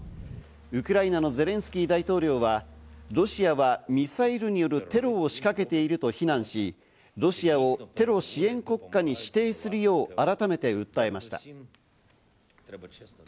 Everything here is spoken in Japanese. ウクライナのゼレンスキー大統領はロシアはミサイルによるテロを仕掛けていると非難し、ロシアをテロ支援国家に指定するよう改めて訴えました。